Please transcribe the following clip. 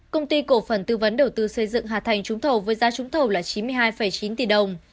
công ty cổ phần tư vấn đầu tư xây dựng hà thành trúng thầu với giá trúng thầu là chín mươi hai chín tỷ đồng